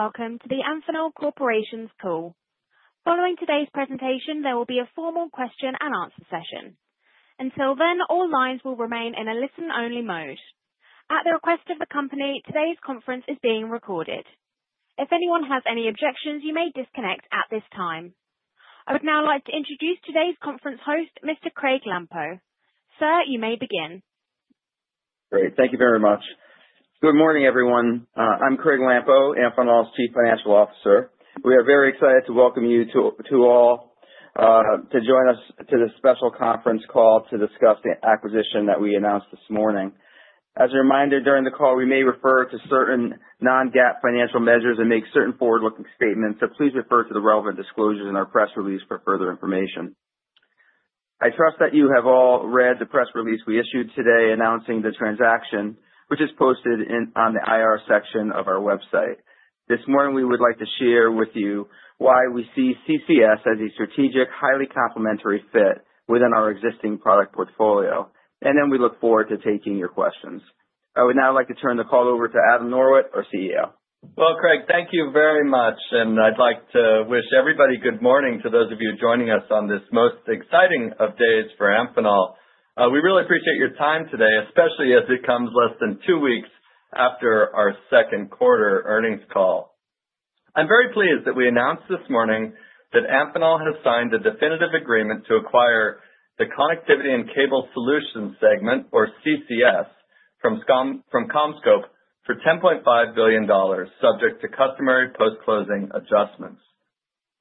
Hello, and welcome to the Amphenol Corporation's call. Following today's presentation, there will be a formal question and answer session. Until then, all lines will remain in a listen-only mode. At the request of the company, today's conference is being recorded. If anyone has any objections, you may disconnect at this time. I would now like to introduce today's conference host, Mr. Craig Lampo. Sir, you may begin. Great. Thank you very much. Good morning, everyone. I'm Craig Lampo, Amphenol's Chief Financial Officer. We are very excited to welcome you to all to join us to this special conference call to discuss the acquisition that we announced this morning. As a reminder, during the call, we may refer to certain non-GAAP financial measures and make certain forward-looking statements, so please refer to the relevant disclosures in our press release for further information. I trust that you have all read the press release we issued today announcing the transaction, which is posted on the IR section of our website. This morning, we would like to share with you why we see CCS as a strategic, highly complementary fit within our existing product portfolio. We look forward to taking your questions. I would now like to turn the call over to Adam Norwitt, our CEO. Well, Craig, thank you very much, and I'd like to wish everybody good morning to those of you joining us on this most exciting of days for Amphenol. We really appreciate your time today, especially as it comes less than two weeks after our second quarter earnings call. I'm very pleased that we announced this morning that Amphenol has signed a definitive agreement to acquire the Connectivity and Cable Solutions segment, or CCS, from CommScope for $10.5 billion, subject to customary post-closing adjustments.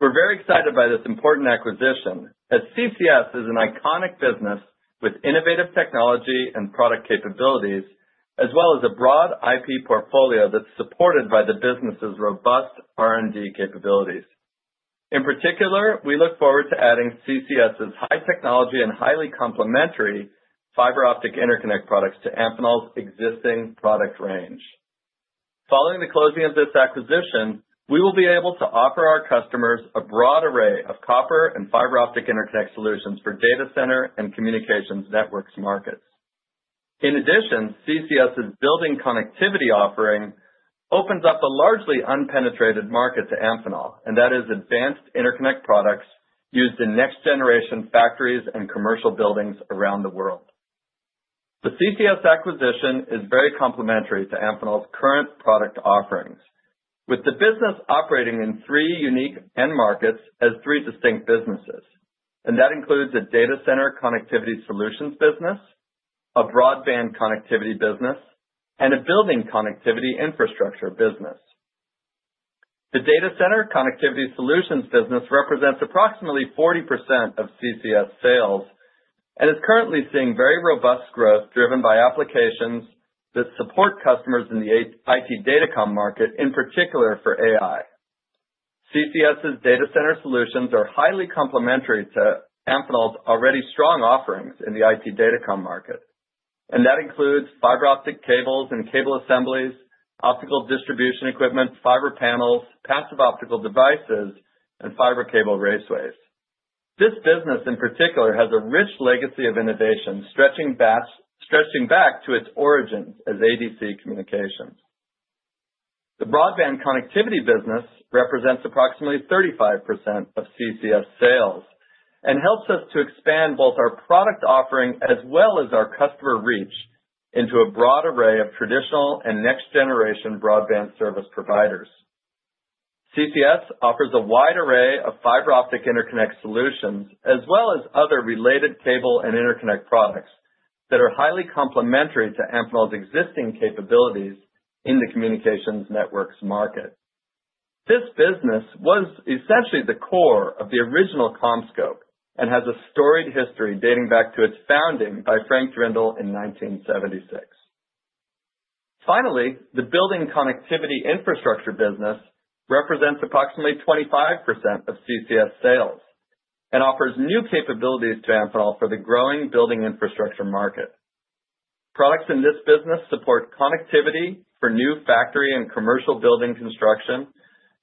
We're very excited by this important acquisition, as CCS is an iconic business with innovative technology and product capabilities, as well as a broad IP portfolio that's supported by the business's robust R&D capabilities. In particular, we look forward to adding CCS's high technology and highly complementary fiber optic interconnect products to Amphenol's existing product range. Following the closing of this acquisition, we will be able to offer our customers a broad array of copper and fiber optic interconnect solutions for data center and communications networks markets. In addition, CCS's building connectivity offering opens up a largely unpenetrated market to Amphenol, and that is advanced interconnect products used in next-generation factories and commercial buildings around the world. The CCS acquisition is very complementary to Amphenol's current product offerings. With the business operating in three unique end markets as three distinct businesses, that includes a data center connectivity solutions business, a broadband connectivity business, and a building connectivity infrastructure business. The data center connectivity solutions business represents approximately 40% of CCS sales and is currently seeing very robust growth driven by applications that support customers in the IT data comm market, in particular for AI. CCS's data center solutions are highly complementary to Amphenol's already strong offerings in the IT data comm market, that includes fiber optic cables and cable assemblies, optical distribution equipment, fiber panels, passive optical devices, and fiber cable raceways. This business, in particular, has a rich legacy of innovation stretching back to its origins as ADC Telecommunications. The broadband connectivity business represents approximately 35% of CCS sales and helps us to expand both our product offering as well as our customer reach into a broad array of traditional and next-generation broadband service providers. CCS offers a wide array of fiber optic interconnect solutions, as well as other related cable and interconnect products that are highly complementary to Amphenol's existing capabilities in the communications networks market. This business was essentially the core of the original CommScope and has a storied history dating back to its founding by Frank Drendel in 1976. Finally, the building connectivity infrastructure business represents approximately 25% of CCS sales and offers new capabilities to Amphenol for the growing building infrastructure market. Products in this business support connectivity for new factory and commercial building construction,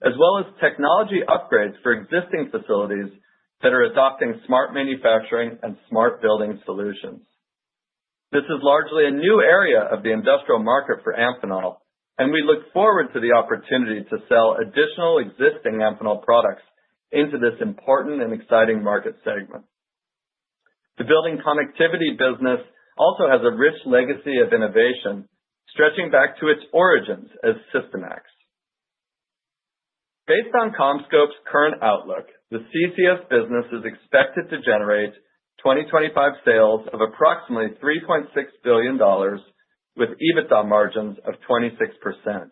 as well as technology upgrades for existing facilities that are adopting smart manufacturing and smart building solutions. This is largely a new area of the industrial market for Amphenol. We look forward to the opportunity to sell additional existing Amphenol products into this important and exciting market segment. The building connectivity business also has a rich legacy of innovation stretching back to its origins as SYSTIMAX. Based on CommScope's current outlook, the CCS business is expected to generate 2025 sales of approximately $3.6 billion with EBITDA margins of 26%.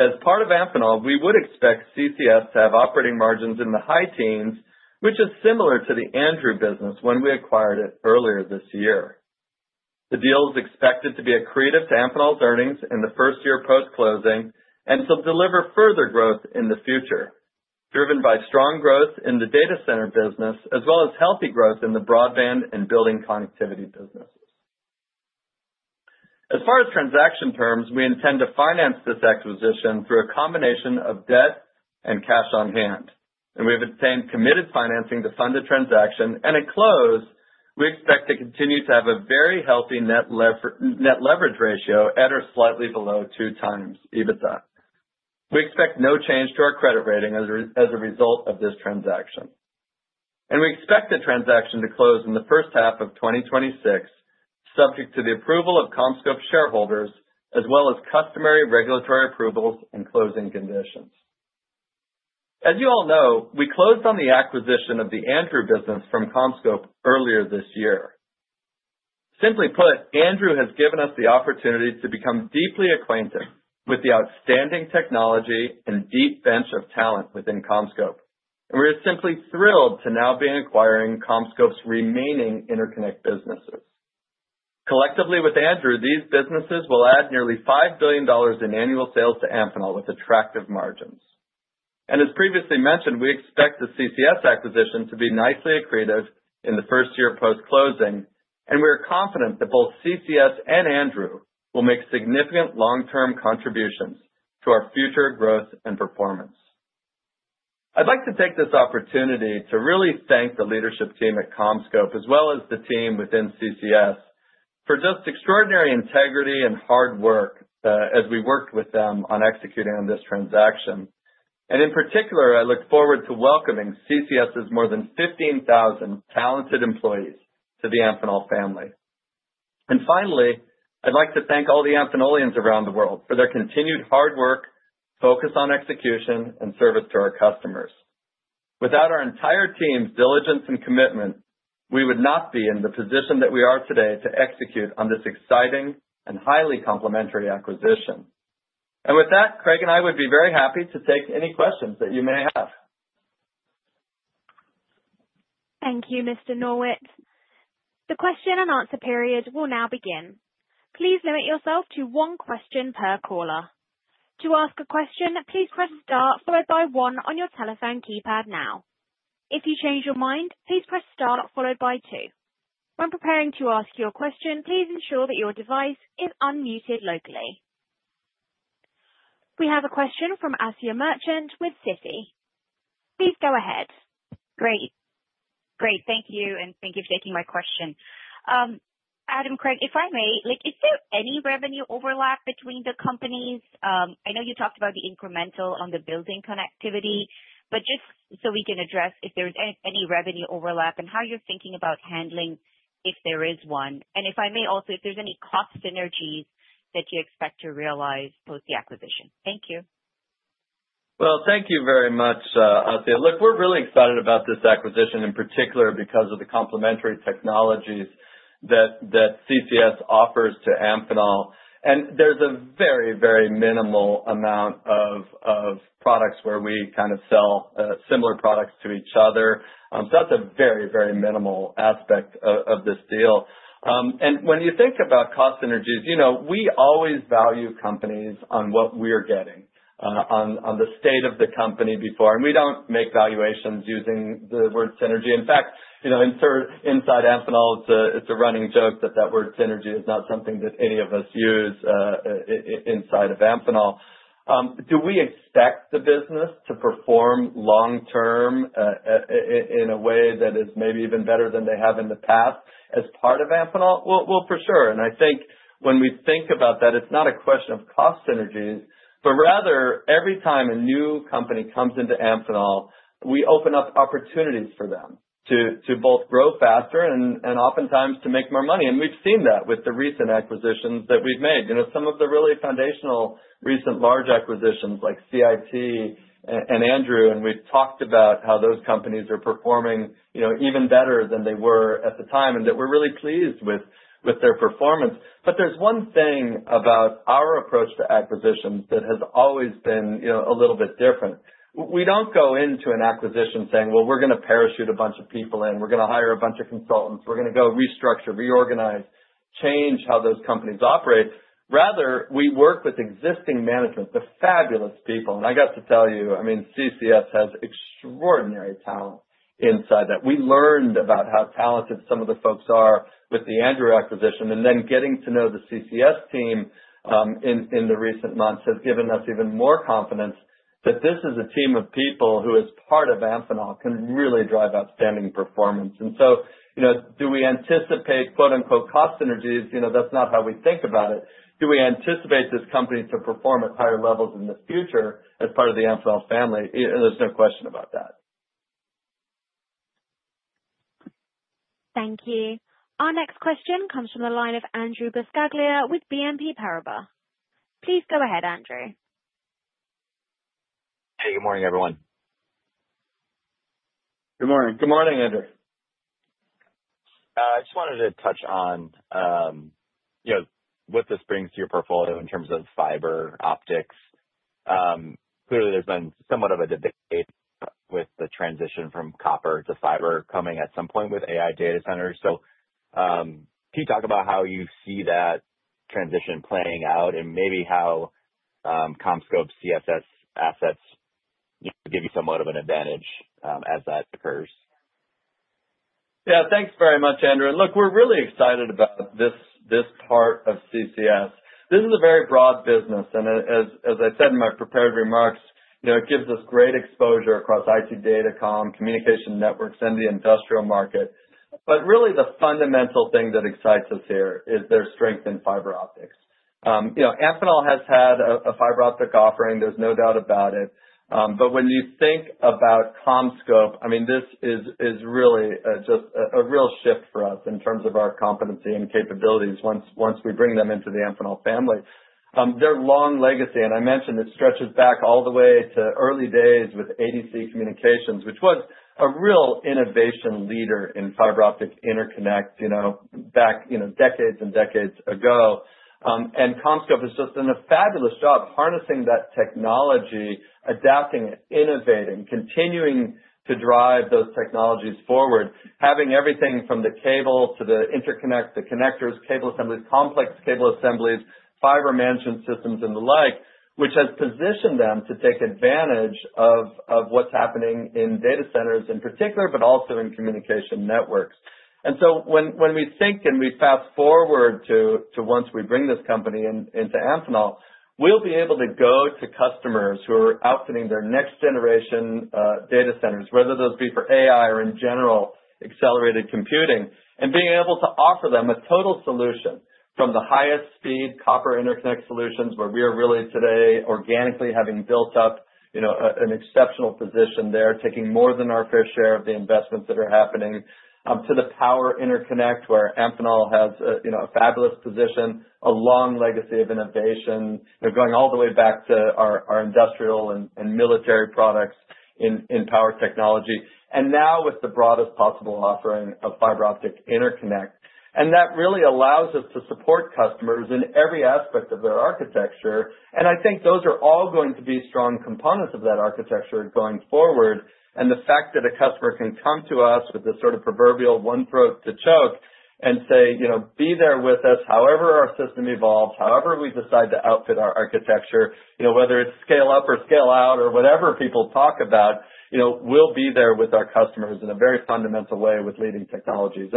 As part of Amphenol, we would expect CCS to have operating margins in the high teens, which is similar to the Andrew business when we acquired it earlier this year. The deal is expected to be accretive to Amphenol's earnings in the first year post-closing and to deliver further growth in the future, driven by strong growth in the data center business as well as healthy growth in the broadband and building connectivity businesses. As far as transaction terms, we intend to finance this acquisition through a combination of debt and cash on hand. We have obtained committed financing to fund the transaction, and at close, we expect to continue to have a very healthy net leverage ratio at or slightly below two times EBITDA. We expect no change to our credit rating as a result of this transaction. We expect the transaction to close in the first half of 2026, subject to the approval of CommScope shareholders, as well as customary regulatory approvals and closing conditions. As you all know, we closed on the acquisition of the Andrew business from CommScope earlier this year. Simply put, Andrew has given us the opportunity to become deeply acquainted with the outstanding technology and deep bench of talent within CommScope. We're simply thrilled to now be acquiring CommScope's remaining interconnect businesses. Collectively with Andrew, these businesses will add nearly $5 billion in annual sales to Amphenol with attractive margins. As previously mentioned, we expect the CCS acquisition to be nicely accretive in the first year post-closing, and we are confident that both CCS and Andrew will make significant long-term contributions to our future growth and performance. I'd like to take this opportunity to really thank the leadership team at CommScope, as well as the team within CCS, for just extraordinary integrity and hard work as we worked with them on executing on this transaction. In particular, I look forward to welcoming CCS' more than 15,000 talented employees to the Amphenol family. Finally, I'd like to thank all the Amphenolians around the world for their continued hard work, focus on execution, and service to our customers. Without our entire team's diligence and commitment, we would not be in the position that we are today to execute on this exciting and highly complementary acquisition. With that, Craig and I would be very happy to take any questions that you may have. Thank you, Mr. Norwitt. The question and answer period will now begin. Please limit yourself to one question per caller. To ask a question, please press star followed by one on your telephone keypad now. If you change your mind, please press star followed by two. When preparing to ask your question, please ensure that your device is unmuted locally. We have a question from Asiya Merchant with Citi. Please go ahead. Great. Thank you. Thank you for taking my question. Adam, Craig, if I may, is there any revenue overlap between the companies? I know you talked about the incremental on the building connectivity, just so we can address if there's any revenue overlap and how you're thinking about handling if there is one. If I may also, if there's any cost synergies that you expect to realize post the acquisition. Thank you. Well, thank you very much, Asiya. Look, we're really excited about this acquisition, in particular because of the complementary technologies that CCS offers to Amphenol. There's a very, very minimal amount of products where we sell similar products to each other. That's a very, very minimal aspect of this deal. When you think about cost synergies, we always value companies on what we're getting, on the state of the company before. We don't make valuations using the word synergy. In fact, inside Amphenol, it's a running joke that that word synergy is not something that any of us use inside of Amphenol. Do we expect the business to perform long-term in a way that is maybe even better than they have in the past as part of Amphenol? Well, for sure. I think when we think about that, it's not a question of cost synergies, but rather, every time a new company comes into Amphenol, we open up opportunities for them to both grow faster and oftentimes to make more money. We've seen that with the recent acquisitions that we've made. Some of the really foundational recent large acquisitions like CIT and Andrew, and we've talked about how those companies are performing even better than they were at the time, and that we're really pleased with their performance. There's one thing about our approach to acquisitions that has always been a little bit different. We don't go into an acquisition saying, "Well, we're going to parachute a bunch of people in. We're going to hire a bunch of consultants. We're going to go restructure, reorganize, change how those companies operate." Rather, we work with existing management, the fabulous people. I got to tell you, CCS has extraordinary talent inside that. We learned about how talented some of the folks are with the Andrew acquisition, then getting to know the CCS team in the recent months has given us even more confidence that this is a team of people who, as part of Amphenol, can really drive outstanding performance. Do we anticipate quote-unquote cost synergies? That's not how we think about it. Do we anticipate this company to perform at higher levels in the future as part of the Amphenol family? There's no question about that. Thank you. Our next question comes from the line of Andrew Gardiner with BNP Paribas. Please go ahead, Andrew. Hey, good morning, everyone. Good morning. Good morning, Andrew. I just wanted to touch on what this brings to your portfolio in terms of fiber optics. Clearly, there's been somewhat of a debate with the transition from copper to fiber coming at some point with AI data centers. Can you talk about how you see that transition playing out and maybe how CommScope CCS assets give you somewhat of an advantage as that occurs? Yeah, thanks very much, Andrew. Look, we're really excited about this part of CCS. This is a very broad business, and as I said in my prepared remarks, it gives us great exposure across IT data comm, communication networks, and the industrial market. Really the fundamental thing that excites us here is their strength in fiber optics. Amphenol has had a fiber optic offering, there's no doubt about it. When you think about CommScope, this is a real shift for us in terms of our competency and capabilities once we bring them into the Amphenol family. Their long legacy, and I mentioned it stretches back all the way to early days with ADC Telecommunications, which was a real innovation leader in fiber optic interconnects back decades and decades ago. CommScope has just done a fabulous job harnessing that technology, adapting it, innovating, continuing to drive those technologies forward, having everything from the cable to the interconnects, the connectors, cable assemblies, complex cable assemblies, fiber management systems, and the like, which has positioned them to take advantage of what's happening in data centers in particular, but also in communication networks. When we think and we fast-forward to once we bring this company into Amphenol, we'll be able to go to customers who are outfitting their next generation data centers, whether those be for AI or in general accelerated computing, and being able to offer them a total solution from the highest speed copper interconnect solutions, where we are really today organically having built up an exceptional position there, taking more than our fair share of the investments that are happening, to the power interconnect, where Amphenol has a fabulous position, a long legacy of innovation, going all the way back to our industrial and military products in power technology. Now with the broadest possible offering of fiber optic interconnect. That really allows us to support customers in every aspect of their architecture. I think those are all going to be strong components of that architecture going forward. The fact that a customer can come to us with this sort of proverbial one throat to choke and say, "Be there with us however our system evolves, however we decide to outfit our architecture." Whether it's scale up or scale out or whatever people talk about, we'll be there with our customers in a very fundamental way with leading technologies.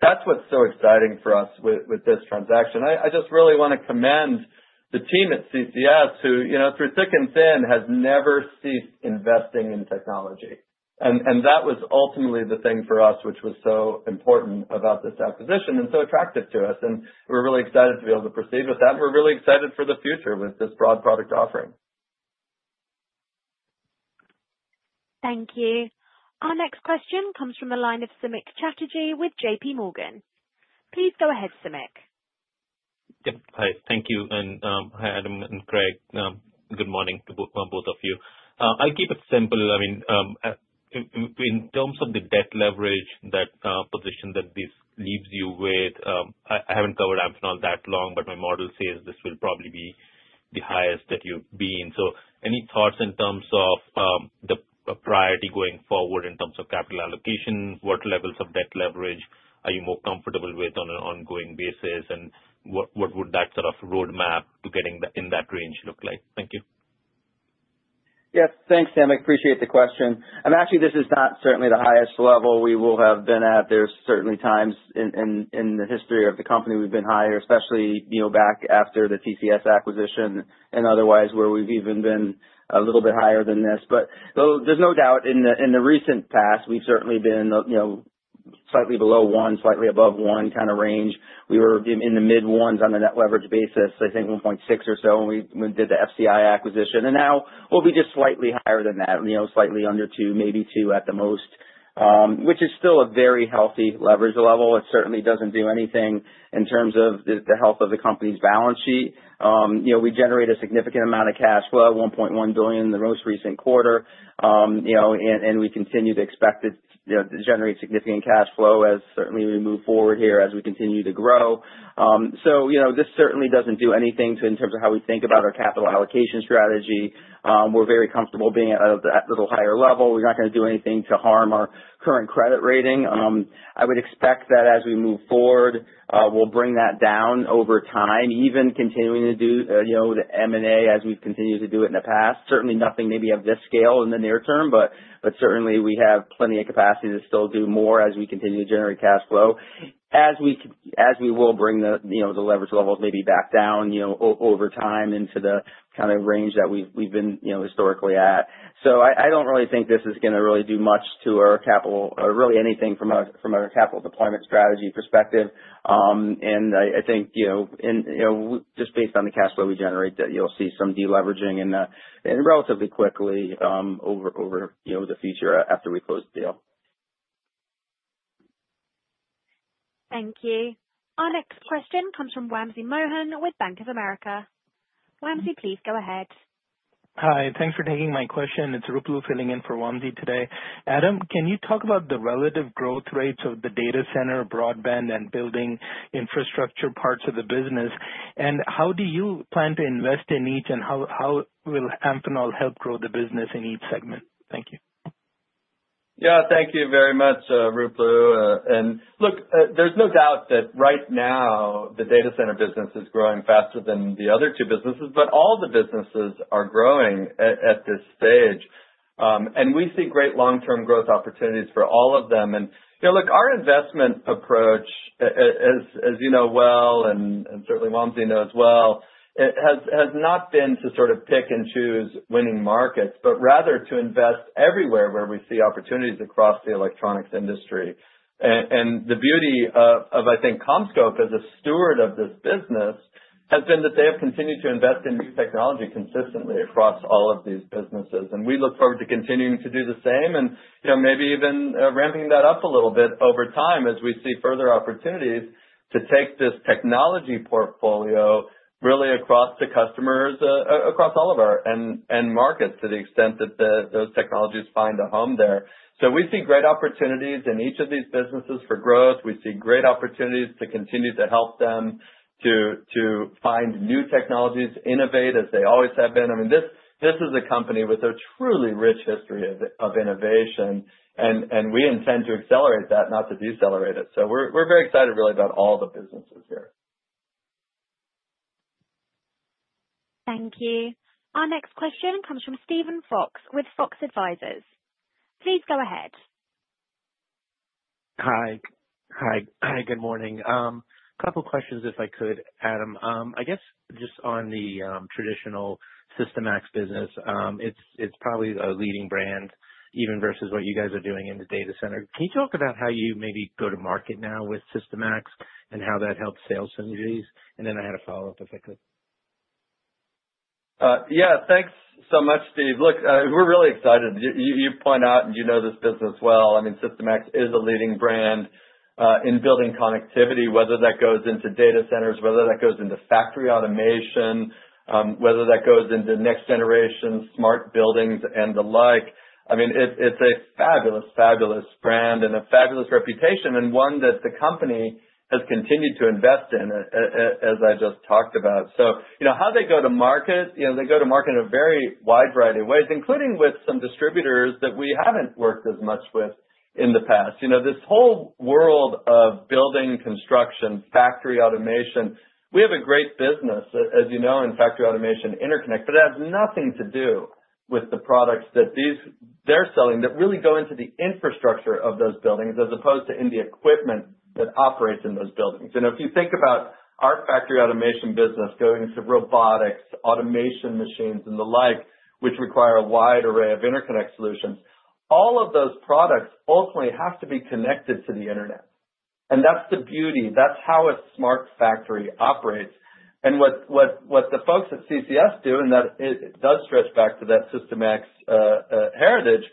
That's what's so exciting for us with this transaction. I just really want to commend the team at CCS, who through thick and thin, has never ceased investing in technology. That was ultimately the thing for us, which was so important about this acquisition and so attractive to us, and we're really excited to be able to proceed with that. We're really excited for the future with this broad product offering. Thank you. Our next question comes from the line of Samik Chatterjee with JPMorgan. Please go ahead, Samik. Yep. Hi. Thank you. Hi Adam and Craig. Good morning to both of you. I'll keep it simple. In terms of the debt leverage, that position that this leaves you with, I haven't covered Amphenol that long, but my model says this will probably be the highest that you've been. Any thoughts in terms of the priority going forward in terms of capital allocation? What levels of debt leverage are you more comfortable with on an ongoing basis, and what would that sort of roadmap to getting in that range look like? Thank you. Yes. Thanks, Samik. Appreciate the question. Actually, this is not certainly the highest level we will have been at. There's certainly times in the history of the company we've been higher, especially back after the CCS acquisition and otherwise, where we've even been a little bit higher than this. There's no doubt in the recent past, we've certainly been slightly below one, slightly above one kind of range. We were in the mid ones on a net leverage basis, I think 1.6 or so when we did the FCI acquisition. Now we'll be just slightly higher than that, slightly under two, maybe two at the most. Which is still a very healthy leverage level. It certainly doesn't do anything in terms of the health of the company's balance sheet. We generate a significant amount of cash flow, $1.1 billion in the most recent quarter. We continue to expect it to generate significant cash flow as certainly we move forward here and as we continue to grow. This certainly doesn't do anything in terms of how we think about our capital allocation strategy. We're very comfortable being at that little higher level. We're not going to do anything to harm our current credit rating. I would expect that as we move forward, we'll bring that down over time, even continuing to do the M&A as we've continued to do it in the past. Certainly nothing maybe of this scale in the near term, but certainly we have plenty of capacity to still do more as we continue to generate cash flow, as we will bring the leverage levels maybe back down over time into the kind of range that we've been historically at. I don't really think this is going to really do much to our capital or really anything from a capital deployment strategy perspective. I think just based on the cash flow we generate, that you'll see some deleveraging and relatively quickly over the future after we close the deal. Thank you. Our next question comes from Wamsi Mohan with Bank of America. Wamsi, please go ahead. Hi. Thanks for taking my question. It's Ruplu filling in for Wamsi today. Adam, can you talk about the relative growth rates of the data center, broadband, and building infrastructure parts of the business, and how do you plan to invest in each, and how will Amphenol help grow the business in each segment? Thank you. Yeah. Thank you very much, Ruplu. Look, there's no doubt that right now the data center business is growing faster than the other two businesses, all the businesses are growing at this stage. We see great long-term growth opportunities for all of them. Look, our investment approach, as you know well, and certainly Wamsi knows well, has not been to sort of pick and choose winning markets, rather to invest everywhere where we see opportunities across the electronics industry. The beauty of, I think, CommScope as a steward of this business has been that they have continued to invest in new technology consistently across all of these businesses. We look forward to continuing to do the same and maybe even ramping that up a little bit over time as we see further opportunities to take this technology portfolio really across to customers across all of our end markets to the extent that those technologies find a home there. We see great opportunities in each of these businesses for growth. We see great opportunities to continue to help them to find new technologies, innovate as they always have been. I mean, this is a company with a truly rich history of innovation, and we intend to accelerate that, not to decelerate it. We're very excited really about all the businesses here. Thank you. Our next question comes from Steven Fox with Fox Advisors. Please go ahead. Hi. Good morning. Couple questions, if I could, Adam. I guess, just on the traditional SYSTIMAX business, it's probably a leading brand even versus what you guys are doing in the data center. Can you talk about how you maybe go to market now with SYSTIMAX and how that helps sales synergies? Then I had a follow-up, if I could. Yeah. Thanks so much, Steve. Look, we're really excited. You point out and you know this business well, I mean, SYSTIMAX is a leading brand, in building connectivity, whether that goes into data centers, whether that goes into factory automation, whether that goes into next generation smart buildings and the like. I mean, it's a fabulous brand and a fabulous reputation, and one that the company has continued to invest in, as I just talked about. How they go to market? They go to market in a very wide variety of ways, including with some distributors that we haven't worked as much with in the past. This whole world of building construction, factory automation, we have a great business, as you know, in factory automation interconnect, but it has nothing to do with the products that they're selling that really go into the infrastructure of those buildings as opposed to in the equipment that operates in those buildings. If you think about our factory automation business going into robotics, automation machines and the like, which require a wide array of interconnect solutions, all of those products ultimately have to be connected to the internet. That's the beauty. That's how a smart factory operates. What the folks at CCS do, and that it does stretch back to that SYSTIMAX heritage,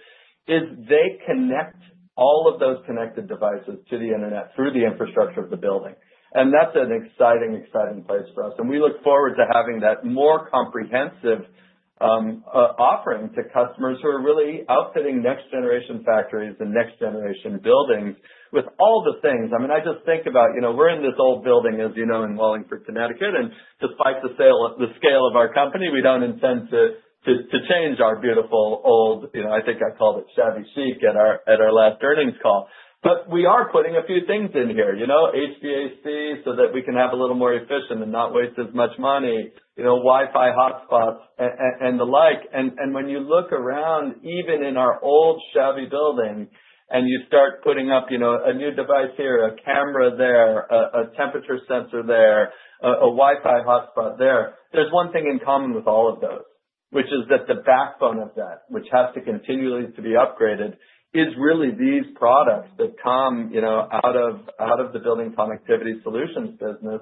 is they connect all of those connected devices to the internet through the infrastructure of the building. That's an exciting place for us, and we look forward to having that more comprehensive offering to customers who are really outfitting next generation factories and next generation buildings with all the things. I mean, I just think about we're in this old building, as you know, in Wallingford, Connecticut. Despite the scale of our company, we don't intend to change our beautiful old, I think I called it shabby chic at our last earnings call. We are putting a few things in here. HVAC so that we can have a little more efficient and not waste as much money, Wi-Fi hotspots and the like. When you look around, even in our old shabby building, and you start putting up a new device here, a camera there, a temperature sensor there, a Wi-Fi hotspot there's one thing in common with all of those, which is that the backbone of that, which has to continually to be upgraded, is really these products that come out of the building connectivity solutions business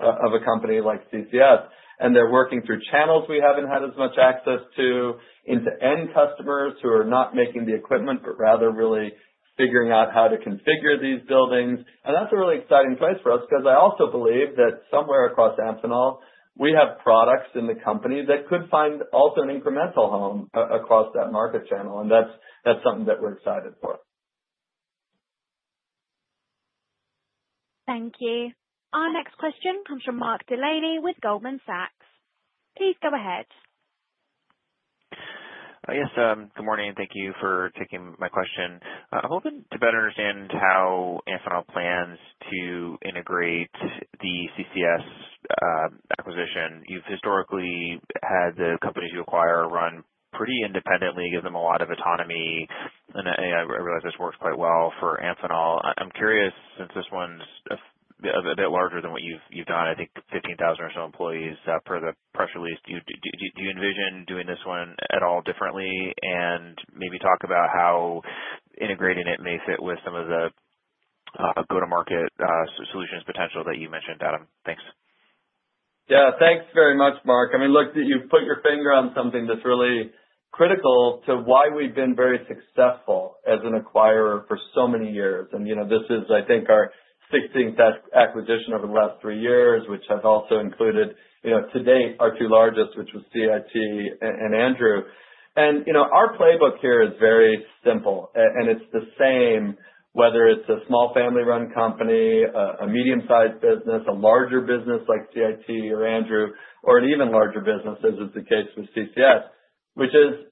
of a company like CCS. They're working through channels we haven't had as much access to, into end customers who are not making the equipment, but rather really figuring out how to configure these buildings. That's a really exciting place for us, because I also believe that somewhere across Amphenol, we have products in the company that could find also an incremental home across that market channel. That's something that we're excited for. Thank you. Our next question comes from Mark Delaney with Goldman Sachs. Please go ahead. Yes. Good morning. Thank you for taking my question. I'm hoping to better understand how Amphenol plans to integrate the CCS acquisition. You've historically had the companies you acquire run pretty independently, give them a lot of autonomy, and I realize this works quite well for Amphenol. I'm curious, since this one's a bit larger than what you've done, I think 15,000 or so employees, per the press release, do you envision doing this one at all differently? Maybe talk about how integrating it may fit with some of the go-to-market solutions potential that you mentioned, Adam. Thanks. Thanks very much, Mark. You've put your finger on something that's really critical to why we've been very successful as an acquirer for so many years. This is, I think, our 16th acquisition over the last three years, which has also included, to date, our two largest, which was CIT and Andrew. Our playbook here is very simple, and it's the same, whether it's a small family-run company, a medium-sized business, a larger business like CIT or Andrew, or an even larger business as is the case with CCS.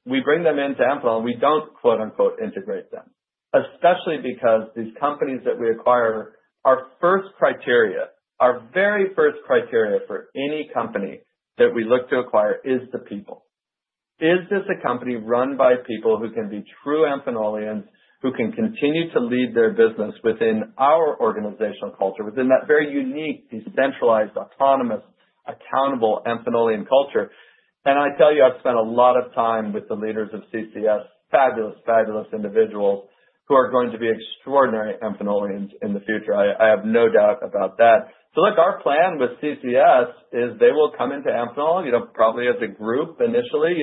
We bring them into Amphenol and we don't "integrate" them. Especially because these companies that we acquire, our first criteria, our very first criteria for any company that we look to acquire is the people. Is this a company run by people who can be true Amphenolians, who can continue to lead their business within our organizational culture, within that very unique, decentralized, autonomous, accountable Amphenolian culture? I tell you, I've spent a lot of time with the leaders of CCS, fabulous individuals who are going to be extraordinary Amphenolians in the future. I have no doubt about that. Our plan with CCS is they will come into Amphenol, probably as a group initially.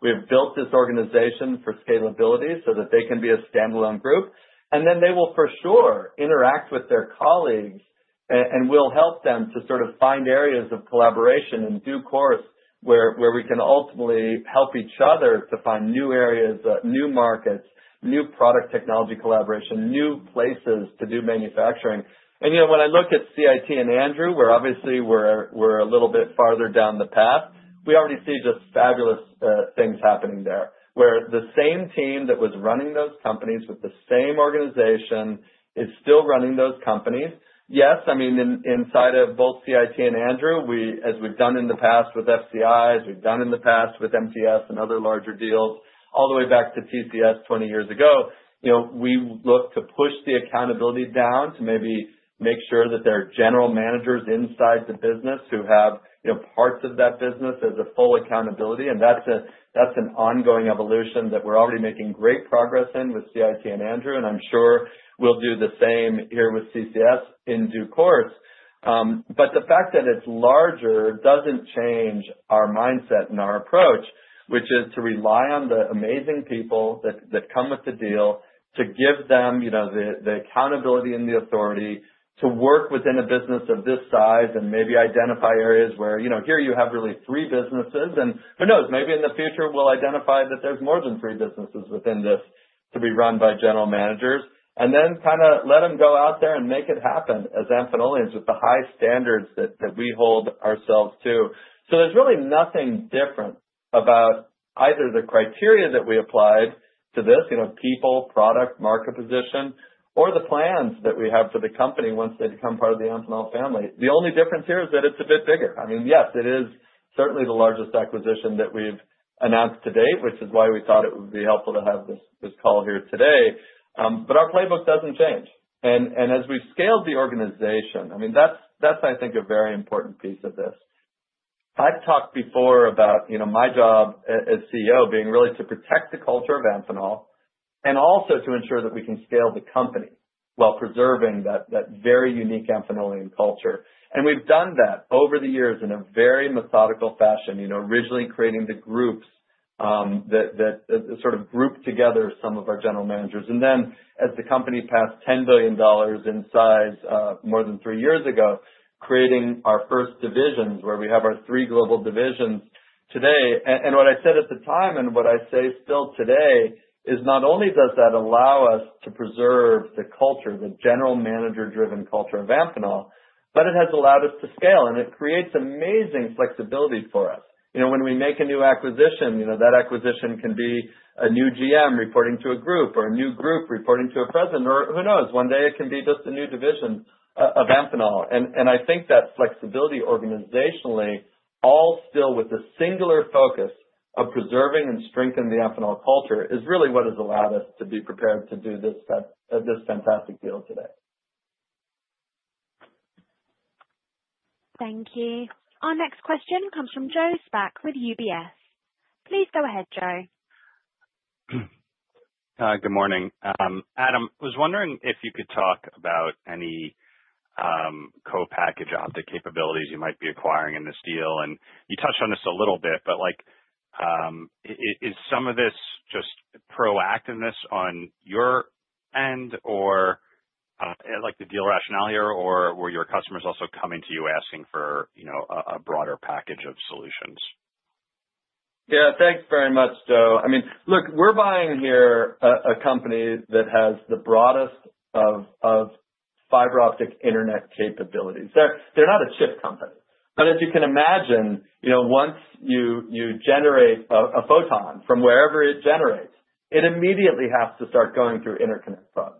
We have built this organization for scalability so that they can be a standalone group. They will, for sure, interact with their colleagues, and we'll help them to sort of find areas of collaboration in due course, where we can ultimately help each other to find new areas, new markets, new product technology collaboration, new places to do manufacturing. When I look at CIT and Andrew, where obviously we're a little bit farther down the path, we already see just fabulous things happening there, where the same team that was running those companies with the same organization is still running those companies. Inside of both CIT and Andrew, as we've done in the past with FCI, as we've done in the past with MTS and other larger deals, all the way back to CCS 20 years ago, we look to push the accountability down to maybe make sure that there are general managers inside the business who have parts of that business as a full accountability. That's an ongoing evolution that we're already making great progress in with CIT and Andrew, and I'm sure we'll do the same here with CCS in due course. The fact that it's larger doesn't change our mindset and our approach, which is to rely on the amazing people that come with the deal to give them the accountability and the authority to work within a business of this size and maybe identify areas where here you have really three businesses, and who knows, maybe in the future, we'll identify that there's more than three businesses within this to be run by general managers. Then kind of let them go out there and make it happen as Amphenolians with the high standards that we hold ourselves to. There's really nothing different about either the criteria that we applied to this, people, product, market position, or the plans that we have for the company once they become part of the Amphenol family. The only difference here is that it's a bit bigger. I mean, yes, it is certainly the largest acquisition that we've announced to date, which is why we thought it would be helpful to have this call here today. Our playbook doesn't change. As we've scaled the organization, I mean, that's, I think, a very important piece of this. I've talked before about my job as CEO being really to protect the culture of Amphenol and also to ensure that we can scale the company while preserving that very unique Amphenolian culture. We've done that over the years in a very methodical fashion, originally creating the groups that sort of grouped together some of our general managers. Then as the company passed $10 billion in size more than three years ago, creating our first divisions where we have our three global divisions today. What I said at the time, and what I say still today, is not only does that allow us to preserve the culture, the general manager-driven culture of Amphenol, but it has allowed us to scale, and it creates amazing flexibility for us. When we make a new acquisition, that acquisition can be a new GM reporting to a group or a new group reporting to a president, or who knows, one day it can be just a new division of Amphenol. I think that flexibility organizationally, all still with the singular focus of preserving and strengthening the Amphenol culture, is really what has allowed us to be prepared to do this fantastic deal today. Thank you. Our next question comes from Joseph Spak with UBS. Please go ahead, Joe. Good morning. Adam, was wondering if you could talk about any co-packaged optics capabilities you might be acquiring in this deal. You touched on this a little bit, but is some of this just proactiveness on your end, or like the deal rationale here, or were your customers also coming to you asking for a broader package of solutions? Yeah. Thanks very much, Joe. I mean, look, we're buying here a company that has the broadest of fiber optic internet capabilities. They're not a chip company. As you can imagine, once you generate a photon from wherever it generates, it immediately has to start going through interconnect products.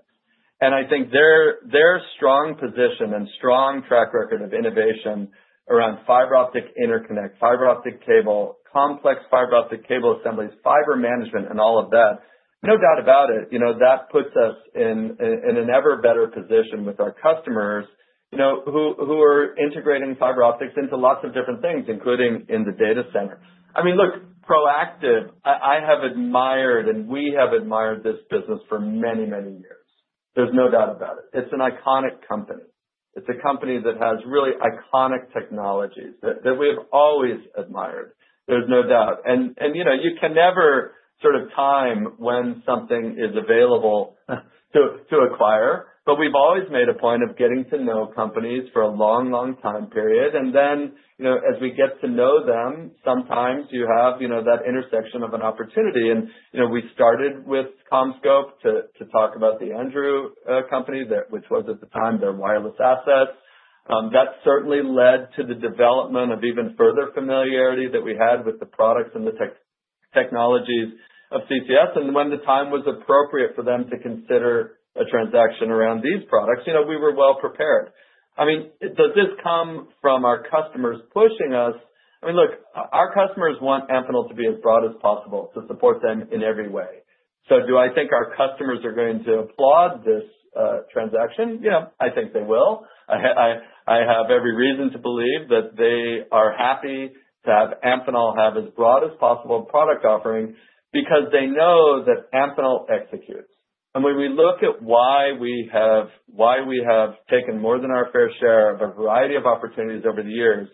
I think their strong position and strong track record of innovation around fiber optic interconnect, fiber optic cable, complex fiber optic cable assemblies, fiber management, and all of that, no doubt about it, that puts us in an ever better position with our customers who are integrating fiber optics into lots of different things, including in the data center. I mean, look, proactive, I have admired, and we have admired this business for many years. There's no doubt about it. It's an iconic company. It's a company that has really iconic technologies that we have always admired. There's no doubt. You can never sort of time when something is available to acquire, we've always made a point of getting to know companies for a long time period. Then, as we get to know them, sometimes you have that intersection of an opportunity. We started with CommScope to talk about the Andrew Company, which was at the time their wireless asset. That certainly led to the development of even further familiarity that we had with the products and the technologies of CCS. When the time was appropriate for them to consider a transaction around these products, we were well-prepared. Does this come from our customers pushing us? Look, our customers want Amphenol to be as broad as possible to support them in every way. Do I think our customers are going to applaud this transaction? I think they will. I have every reason to believe that they are happy to have Amphenol have as broad as possible product offering because they know that Amphenol executes. When we look at why we have taken more than our fair share of a variety of opportunities over the years,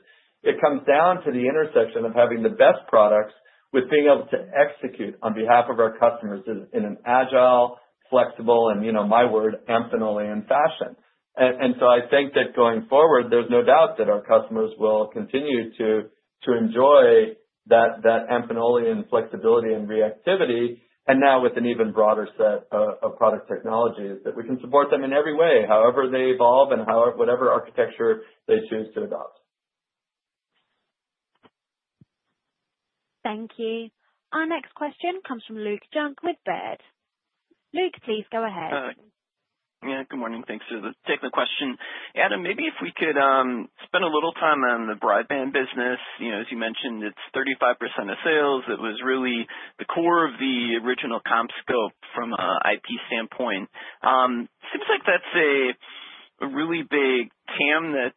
it comes down to the intersection of having the best products with being able to execute on behalf of our customers in an agile, flexible, and my word, Amphenolian fashion. I think that going forward, there's no doubt that our customers will continue to enjoy that Amphenolian flexibility and reactivity, and now with an even broader set of product technologies that we can support them in every way, however they evolve and whatever architecture they choose to adopt. Thank you. Our next question comes from Luke Junk with Baird. Luke, please go ahead. Yeah. Good morning. Thanks for taking the question. Adam, maybe if we could spend a little time on the broadband business. As you mentioned, it's 35% of sales. It was really the core of the original CommScope from IP standpoint. Seems like that's a really big TAM that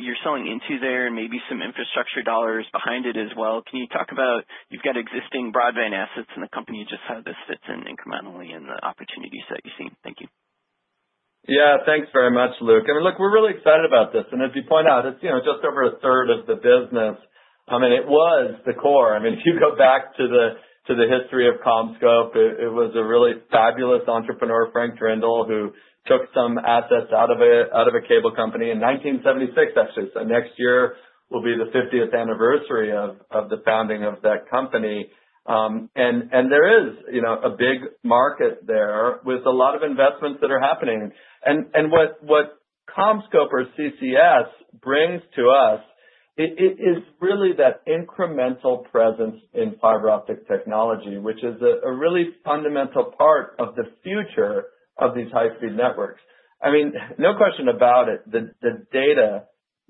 you're selling into there, maybe some infrastructure dollars behind it as well. Can you talk about, you've got existing broadband assets in the company, just how this fits in incrementally in the opportunities that you see? Thank you. Yeah. Thanks very much, Luke. Look, we're really excited about this. As you point out, it's just over a third of the business. It was the core. If you go back to the history of CommScope, it was a really fabulous entrepreneur, Frank Drendel, who took some assets out of a cable company in 1976, actually. Next year will be the 50th anniversary of the founding of that company. There is a big market there with a lot of investments that are happening. What CommScope or CCS brings to us is really that incremental presence in fiber optic technology, which is a really fundamental part of the future of these high-speed networks. No question about it, the data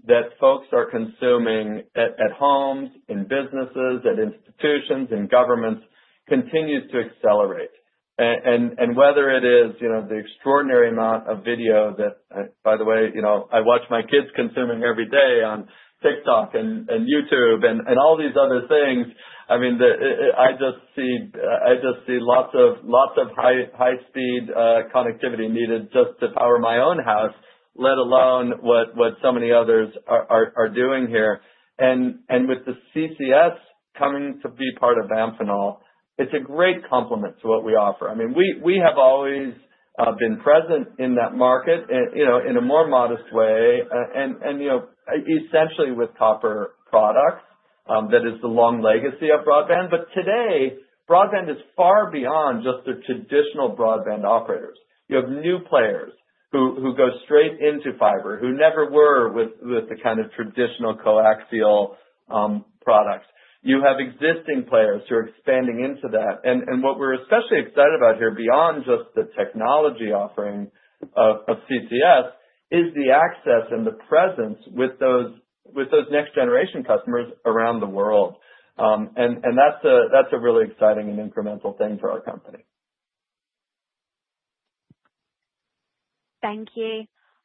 that folks are consuming at homes, in businesses, at institutions, in governments continues to accelerate. Whether it is the extraordinary amount of video that, by the way, I watch my kids consuming every day on TikTok and YouTube and all these other things. I just see lots of high-speed connectivity needed just to power my own house, let alone what so many others are doing here. With the CCS coming to be part of Amphenol, it's a great complement to what we offer. We have always been present in that market in a more modest way, essentially with copper products. That is the long legacy of broadband. Today, broadband is far beyond just the traditional broadband operators. You have new players who go straight into fiber, who never were with the kind of traditional coaxial products. You have existing players who are expanding into that. What we're especially excited about here, beyond just the technology offering of CCS, is the access and the presence with those next generation customers around the world. That's a really exciting and incremental thing for our company. Thank you.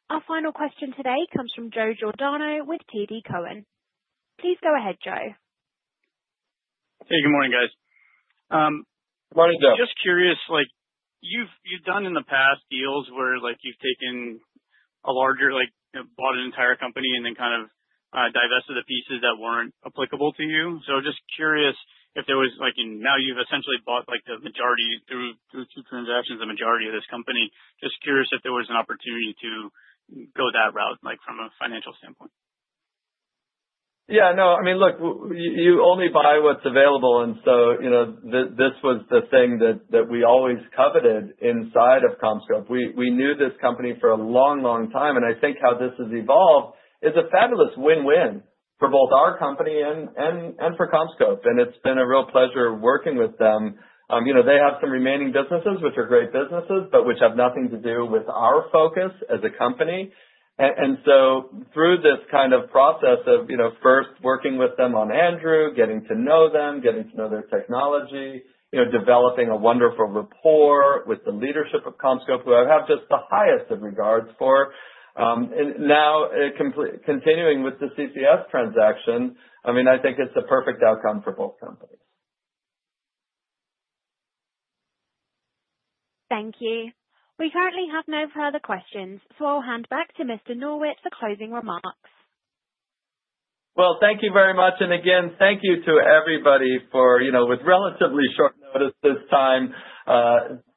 Our final question today comes from Joe Giordano with TD Cowen. Please go ahead, Joe. Hey, good morning, guys. Good morning, Joe. Just curious, you've done in the past deals where you've taken a larger, bought an entire company and then divested the pieces that weren't applicable to you. Just curious if there was, now you've essentially bought the majority through transactions, the majority of this company. Just curious if there was an opportunity to go that route, from a financial standpoint. Yeah. No. Look, you only buy what's available, this was the thing that we always coveted inside of CommScope. We knew this company for a long time, I think how this has evolved is a fabulous win-win for both our company and for CommScope. It's been a real pleasure working with them. They have some remaining businesses, which are great businesses, which have nothing to do with our focus as a company. Through this kind of process of first working with them on Andrew, getting to know them, getting to know their technology, developing a wonderful rapport with the leadership of CommScope, who I have just the highest of regards for. Now continuing with the CCS transaction, I think it's a perfect outcome for both companies. Thank you. We currently have no further questions, I'll hand back to Mr. Norwitt for closing remarks. Well, thank you very much. Again, thank you to everybody for, with relatively short notice this time,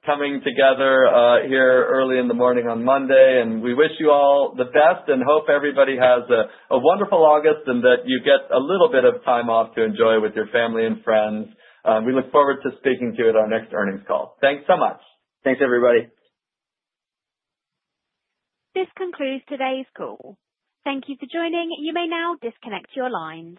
coming together here early in the morning on Monday. We wish you all the best and hope everybody has a wonderful August and that you get a little bit of time off to enjoy with your family and friends. We look forward to speaking to you at our next earnings call. Thanks so much. Thanks, everybody. This concludes today's call. Thank you for joining. You may now disconnect your lines.